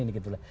ini gitu lah